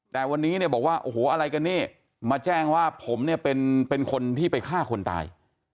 แต่วันนี้เนี่ยบอกว่าโอ้โหอะไรกันนี่มาแจ้งว่าผมเนี่ยเป็นคนที่ไปฆ่าคนตาย